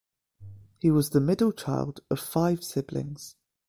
He was the middle child of five siblings.